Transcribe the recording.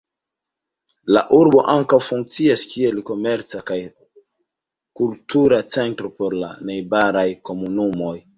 La urbo ankaŭ funkcias kiel komerca kaj kultura centro por la najbaraj komunumoj.